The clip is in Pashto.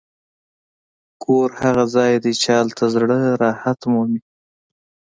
کور هغه ځای دی چې هلته زړه راحت مومي.